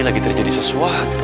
lagi terjadi sesuatu